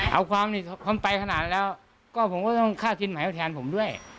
เอาความนี้มันไปขนาดนั้นแล้วก็ผมก็ต้องฆ่าจริงหมายแทนผมด้วย